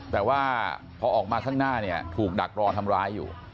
แต่ว่าพอออกมาข้างหน้าเนี่ยถูกดักรอทำร้ายอยู่